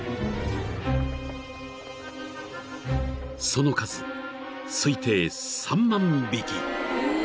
［その数推定３万匹］